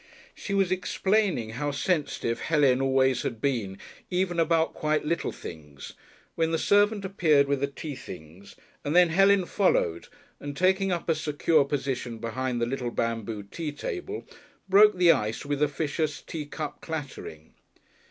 She was explaining how sensitive Helen always had been, even about quite little things, when the servant appeared with the tea things, and then Helen followed, and taking up a secure position behind the little banboo tea table, broke the ice with officious teacup clattering.